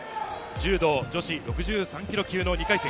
柔道女子６３キロ級の２回戦。